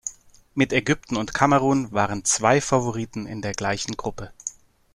Mit Ägypten und Kamerun waren zwei Favoriten in der gleichen Gruppe.